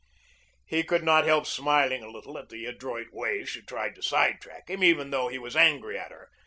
He could not help smiling a little at the adroit way she tried to sidetrack him, even though he was angry at her.